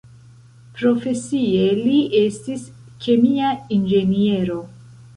Profesie, li estis kemia inĝeniero.